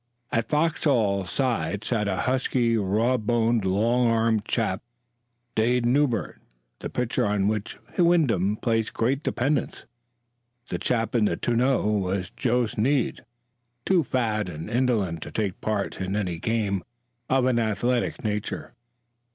At Foxhall's side sat a husky, raw boned, long armed chap, Dade Newbert, the pitcher on which Wyndham placed great dependence. The chap in the tonneau was Joe Snead, too fat and indolent to take part in any game of an athletic nature.